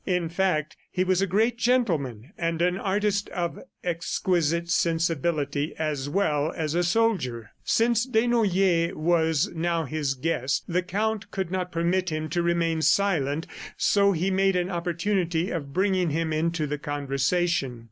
In fact, he was a great gentleman and an artist of exquisite sensibility as well as a soldier. Since Desnoyers was now his guest, the Count could not permit him to remain silent, so he made an opportunity of bringing him into the conversation.